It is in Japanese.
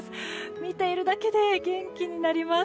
見ているだけで元気になります。